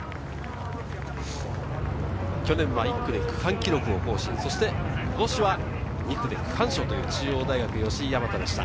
去年は１区で区間記録を更新、今年は２区で区間賞という中央大・吉居大和でした。